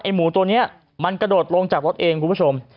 หมูตัวนี้มันกระโดดลงจากรถเองคุณผู้ชม